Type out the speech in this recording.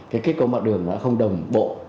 cái kết cấu mặt đường đã không đồng bộ